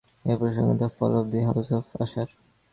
এ প্রসঙ্গে the fall of the house of অ্যাশার-এর কথা উল্লেখ করা যায়।